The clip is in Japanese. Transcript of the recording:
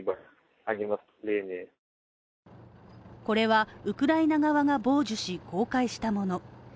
これは、ウクライナ側が傍受し公開したもの。